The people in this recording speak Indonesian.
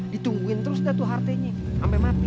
ditungguin terus dah tuh hartanya sampai mati